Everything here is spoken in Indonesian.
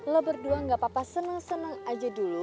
lo berdua gak apa apa seneng seneng aja dulu